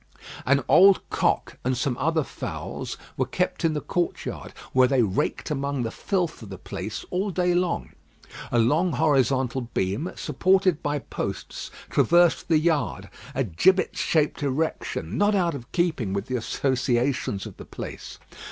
An old cock and some other fowls were kept in the courtyard, where they raked among the filth of the place all day long. A long horizontal beam, supported by posts, traversed the yard a gibbet shaped erection, not out of keeping with the associations of the place.